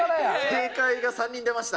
正解が３人出ました。